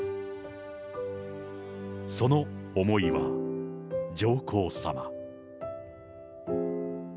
その思いは上皇さま。